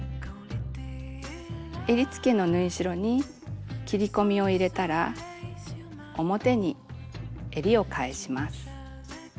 えりつけの縫い代に切り込みを入れたら表にえりを返します。